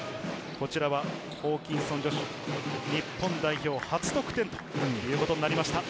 こちらはホーキンソン・ジョシュ、日本代表初得点ということになりました。